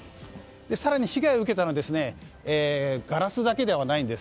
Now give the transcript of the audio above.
更に被害を受けたのはガラスだけではないんです。